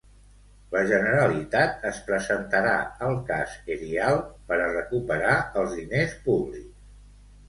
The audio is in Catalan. La Generalitat es presentarà al cas Erial per a recuperar els diners públics.